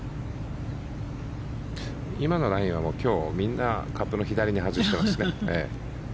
今のラインは今日みんなカップの左にはじきますね。